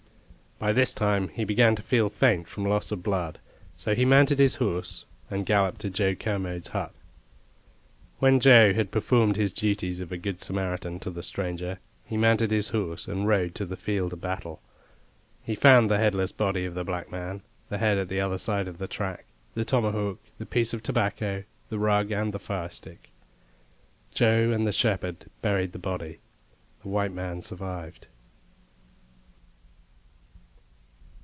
By this time he began to feel faint from loss of blood, so he mounted his horse and galloped to Joe Kermode's hut. When Joe had performed his duties of a good Samaritan to the stranger he mounted his horse, and rode to the field of battle. He found the headless body of the black man, the head at the other side of the track, the tomahawk, the piece of tobacco, the rug, and the firestick. Joe and the shepherd buried the body; the white man survived.